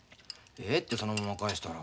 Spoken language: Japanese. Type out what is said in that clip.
ええってそのまま返したら。